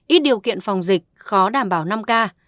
ít điều kiện phòng dịch khó đảm bảo năm k